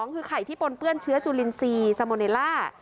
๒คือไข่ที่ปนเปื้อนเชื้อจูลินซีสโมเนลล่า